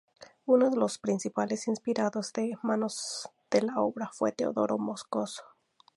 Uno de los principales inspiradores de "Manos a la Obra" fue Teodoro Moscoso.